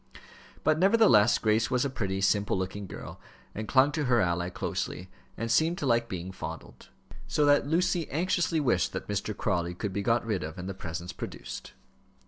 But, nevertheless, Grace was a pretty, simple looking girl, and clung to her ally closely, and seemed to like being fondled. So that Lucy anxiously wished that Mr. Crawley could be got rid of and the presents produced.